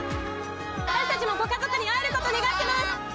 私たちもご家族に会えることを願っています。